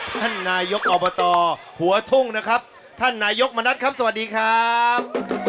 ท่านนายกอบตหัวทุ่งนะครับท่านนายกมณัฐครับสวัสดีครับ